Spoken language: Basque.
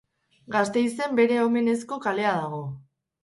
Gasteizen bere omenezko kalea dago.